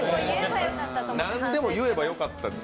何でも言えばよかったです。